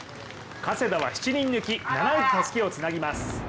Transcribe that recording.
加世田は７人抜き、７位でたすきをつなぎます。